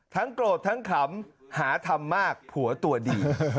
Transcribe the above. โกรธทั้งขำหาทำมากผัวตัวดี